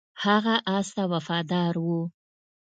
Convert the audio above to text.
هغه اس ته وفادار و.